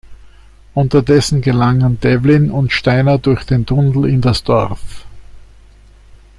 Unterdessen gelangen Devlin und Steiner durch den Tunnel in das Dorf.